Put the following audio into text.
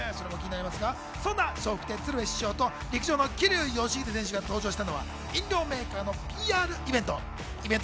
そんな笑福亭鶴瓶師匠と陸上の桐生祥秀選手が登場したのは飲料メーカーのＰＲイベント。